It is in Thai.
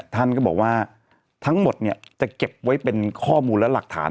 ท่านก็บอกว่าทั้งหมดจะเก็บไว้เป็นข้อมูลและหลักฐาน